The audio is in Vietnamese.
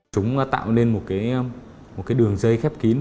chúng tạo nên một cái đường dây khép kín